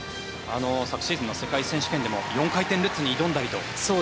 昨シーズンの世界選手権でも４回転ルッツに挑んだりと。